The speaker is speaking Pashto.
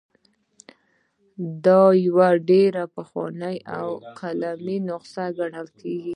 دا یوه ډېره پخوانۍ او قلمي نسخه ګڼل کیږي.